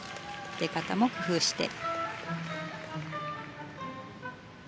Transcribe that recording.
出方も工夫して。